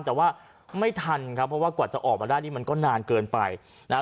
แต่ว่าไม่ทันครับเพราะว่ากว่าจะออกมาได้นี่มันก็นานเกินไปนะฮะ